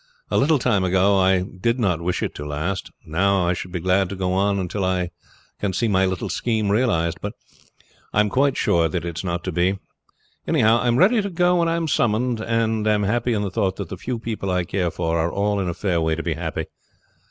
A little time ago I did not wish it to last, now I should be glad to go on until I can see my little scheme realized; but I am quite sure that it is not to be. Anyhow I am ready to go when I am summoned, and am happy in the thought that the few people I care for are all in a fair way to be happy.